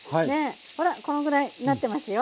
ほらこのぐらいなってますよ。